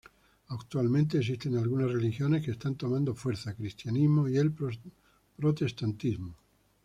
Actualmente existen algunas religiones que están tomando fuerza: cristianismo y el protestantismo.